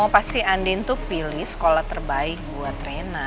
pasti andin tuh pilih sekolah terbaik buat rena